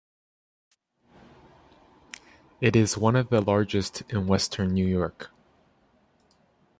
It is one of the largest in Western New York.